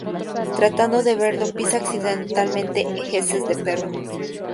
Tratando de verlo, pisa accidentalmente heces de perro.